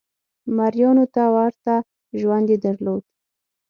مریانو ته ورته ژوند یې درلود.